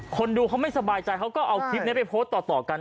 คนดูเขาไม่สบายใจเขาก็เอาคลิปนี้ไปโพสต์ต่อกัน